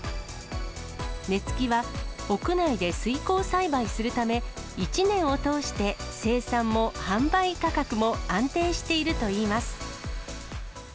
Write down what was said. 根付きは屋内で水耕栽培するため、一年を通して、生産も販売価格も安定しているといいます。